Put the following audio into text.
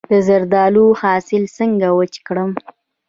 د زردالو حاصل څنګه وچ کړم؟